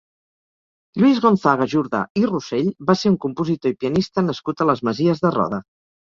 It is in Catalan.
Lluís Gonzaga Jordà i Rossell va ser un compositor i pianista nascut a les Masies de Roda.